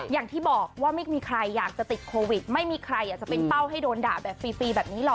อย่างที่บอกว่าไม่มีใครอยากจะติดโควิดไม่มีใครอยากจะเป็นเป้าให้โดนด่าแบบฟรีแบบนี้หรอก